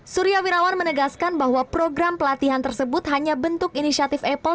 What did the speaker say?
surya wirawan menegaskan bahwa program pelatihan tersebut hanya bentuk inisiatif apple